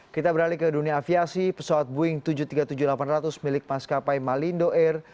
kita beralih ke dunia aviasi pesawat boeing tujuh ratus tiga puluh tujuh delapan ratus milik maskapai malindo air